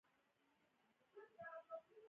په برېټانیا کې د وړینو توکو تولیدوونکو لاس یو کړ.